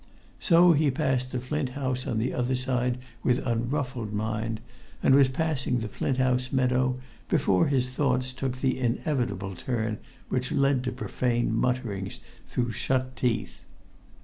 So he passed the Flint House on the other side with unruffled mind, and was passing the Flint House meadow before his thoughts took the inevitable turn which led to profane mutterings through shut teeth.